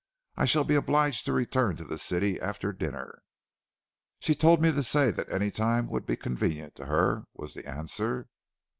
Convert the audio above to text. "I shall be obliged to return to the city after dinner." "She told me to say that any time would be convenient to her," was the answer.